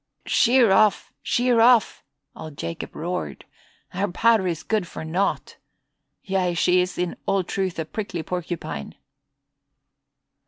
"Sheer off, sheer off!" old Jacob roared. "Our powder is good for nought. Yea, she is in all truth a prickly porcupine."